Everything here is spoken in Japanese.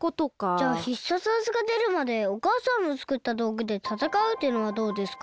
じゃあ必殺技がでるまでおかあさんのつくったどうぐでたたかうってのはどうですか？